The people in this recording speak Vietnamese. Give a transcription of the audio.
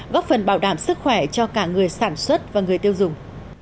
góp phần bảo đảm sức khỏe cho cả người sản xuất và người tiêu dùng